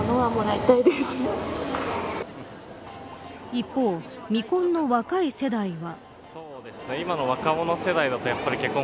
一方、未婚の若い世代は。